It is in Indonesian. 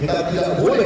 kita tidak bisa kalah